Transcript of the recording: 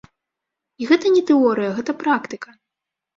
І гэта не тэорыя, гэта практыка.